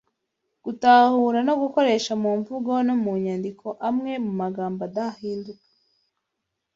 Gutahura no gukoresha mu mvugo no mu nyandiko amwe mu magambo adahinduka.